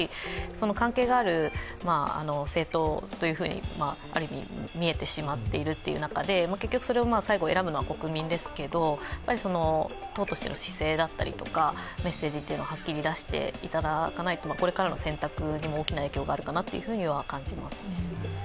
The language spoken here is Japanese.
関係がある政党というふうにある意味、見えてしまっているという中で結局それを最後選ぶのは国民ですけど、党としての姿勢だったり、メッセージははっきり出していただかないとこれからの選択にも大きな影響があるかなというふうには感じますね。